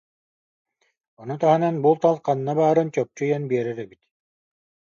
Ону таһынан булт-алт ханна баарын чопчу ыйан биэрэр эбит